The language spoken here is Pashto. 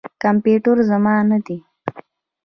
د کمپیوټر زمانه ده.